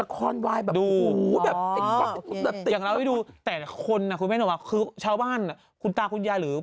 คือชาวบ้านคุณตาคุณยายหรือ